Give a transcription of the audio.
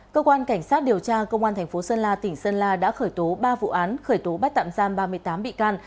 cơ quan cảnh sát điều tra công an thành phố sơn la tỉnh sơn la đã khởi tố ba vụ án khởi tố bắt tạm giam ba mươi tám bị can